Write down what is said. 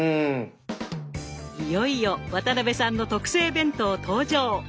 いよいよ渡辺さんの特製弁当登場！